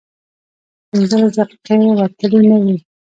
پينځلس دقيقې وتلې نه وې.